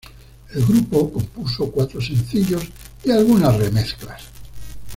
El grupo compuso cuatro sencillos y algunas remezclas.